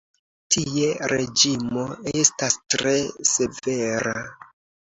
Tie reĝimo estas tre severa.